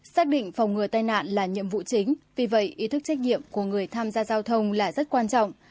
xác định phòng ngừa tai nạn là nhiệm vụ chính vì vậy ý thức trách nhiệm của người tham gia giao thông là rất quan trọng